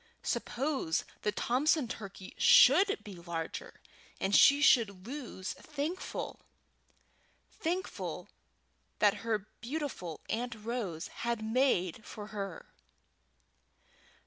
Suppose the Thompson turkey should be larger, and she should lose Thankful Thankful that her beautiful Aunt Rose had made for her?